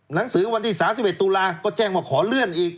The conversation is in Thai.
หนังสือวันที่๓๑ตุลาก็แจ้งมาขอเลื่อนอีก